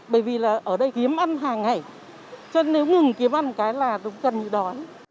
bởi vì là ở đây kiếm ăn hàng ngày cho nên nếu ngừng kiếm ăn cái là cũng cần như đó